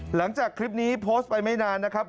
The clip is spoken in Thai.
หลังจากคลิปนี้โพสต์ไปไม่นานนะครับ